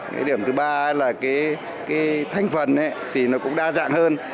cái điểm thứ ba là cái thành phần thì nó cũng đa dạng hơn